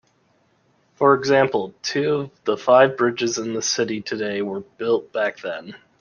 For example, two of the five bridges in the city today were built back then.